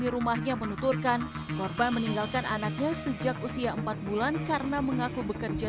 rumahnya menuturkan korban meninggalkan anaknya sejak usia empat bulan karena mengaku bekerja